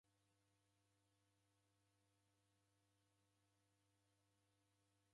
Ijo ni ilagho jengira w'ow'a.